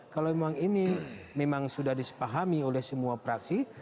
kalau memang ini memang sudah disepahami oleh semua praksi